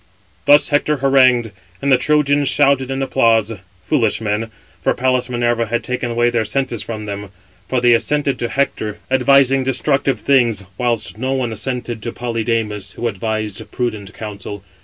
Thus Hector harangued, and the Trojans shouted in applause: foolish men, for Pallas Minerva had taken their senses away from them. For they assented to Hector, advising destructive things, whilst no one [assented to] Polydamas, who advised prudent counsel.